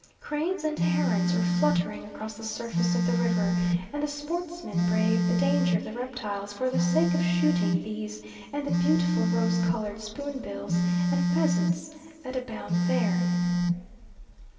Cranes and herons were fluttering across the surface of the river, and the sportsmen brave the danger of the reptiles, for the sake of shooting these and the beautiful rose coloured spoonbills and pheasants that abound there.